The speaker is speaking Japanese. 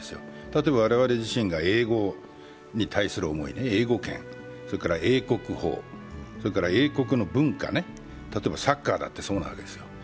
例えば我々自身が英語に対する思い、英語圏、それから英国法、英国の文化、例えばサッカーだってそうなわけです。